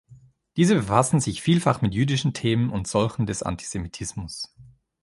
Diese befassen sich vielfach mit jüdischen Themen und solchen des Antisemitismus.